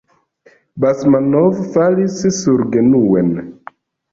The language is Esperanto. Basmanov falis surgenuen.